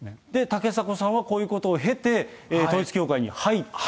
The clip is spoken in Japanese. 竹迫さんはこういうことを経て、統一教会に入った。